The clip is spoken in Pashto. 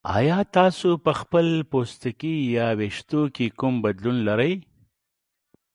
ایا تاسو په خپل پوستکي یا ویښتو کې کوم بدلون لرئ؟